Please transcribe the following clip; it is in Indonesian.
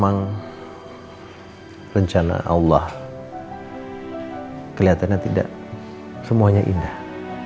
memang rencana allah kelihatannya tidak semuanya indah